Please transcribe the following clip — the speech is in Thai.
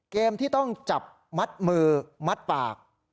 เกมที่ต้องจับมัดมือมัดปาก